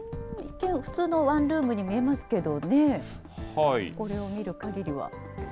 普通のワンルームに見えますけどね、これを見るかぎりは。